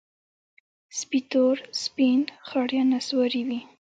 سپي تور، سپین، خړ یا نسواري وي.